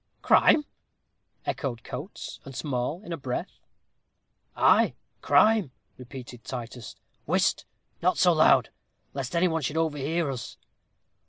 "Crime!" echoed Coates and Small, in a breath. "Ay, crime!" repeated Titus. "Whist! not so loud, lest any one should overhear us.